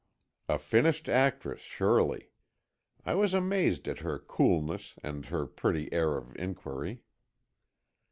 A finished actress, surely. I was amazed at her coolness and her pretty air of inquiry.